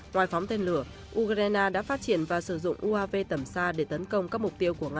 ngoài phóng tên lửa ukraine đã phát triển và sử dụng uav tầm xa để tấn công các mục tiêu của nga